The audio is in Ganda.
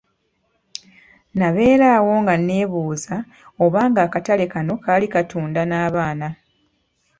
Nabeera awo nga neebuuza oba nga akatale kano kaali katunda n'abaana.